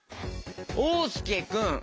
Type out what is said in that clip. おうすけくん。